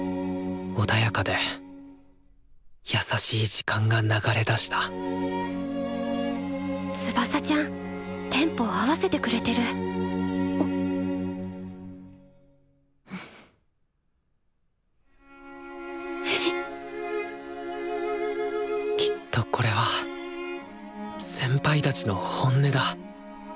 穏やかでやさしい時間が流れだした翼ちゃんテンポ合わせてくれてるきっとこれは先輩たちの本音だ。